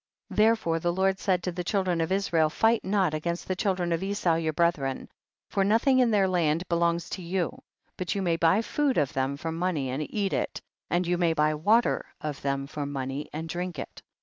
6. Therefore the Lord said to the children of Israel, fight not against the children of Esau your brethren, for nothing in their land belongs to you, but you may buy food of them for money and eat it, and you may buy water of them for money and drink it.